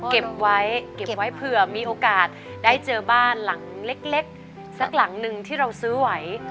เก็บไว้เก็บไว้เผื่อมีโอกาสได้เจอบ้านหลังเล็กสักหลังหนึ่งที่เราซื้อไหว